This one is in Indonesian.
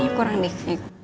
iya kurang deh